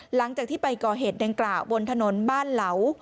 หลังจากที่ไปก่อเหตุดังกล่าวบนถนนบ้านเหลา